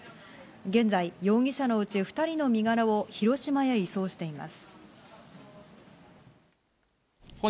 現在容疑者のうち２人の身柄を広島へ移送しています。